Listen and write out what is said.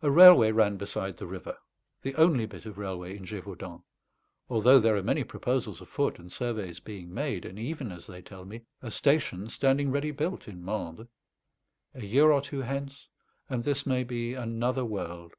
A railway ran beside the river; the only bit of railway in Gévaudan, although there are many proposals afoot and surveys being made, and even, as they tell me, a station standing ready built in Mende. A year or two hence and this may be another world.